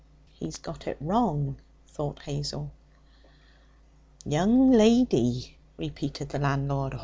'He's got it wrong,' thought Hazel. 'Young lady!' repeated the landlord.